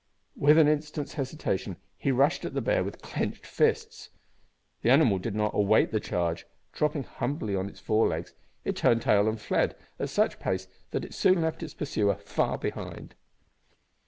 Without an instant's hesitation he rushed at the bear with clenched fists. The animal did not await the charge. Dropping humbly on its fore legs, it turned tail and fled, at such a pace that it soon left its pursuer far behind!